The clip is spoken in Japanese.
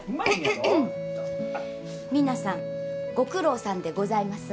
皆さんご苦労さんでございます。